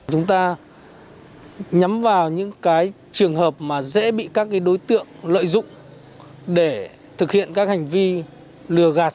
chúng ta nhắm vào những trường hợp mà dễ bị các đối tượng lợi dụng để thực hiện các hành vi lừa gạt